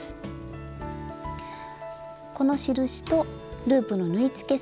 この印とループの縫い付け